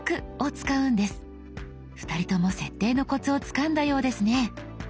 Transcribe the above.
２人とも設定のコツをつかんだようですね。